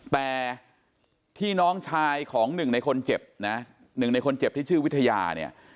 แต่ที่น้องชายของหนึ่งในคนเจ็บนะหนึ่งในคนเจ็บที่ชื่อวิทยาเนี่ย